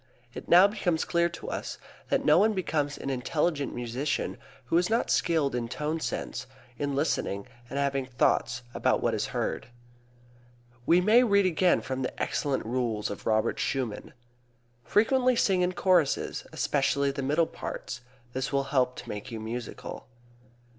It now becomes clear to us that no one becomes an intelligent musician who is not skilled in tone sense, in listening, and having thoughts about what is heard. We may read again from the excellent rules of Robert Schumann: "Frequently sing in choruses, especially the middle parts; this will help to make you musical."